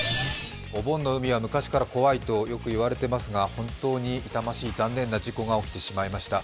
お盆の海は昔から怖いとよく言われていますが本当に痛ましい、残念な事故が起きてしまいました。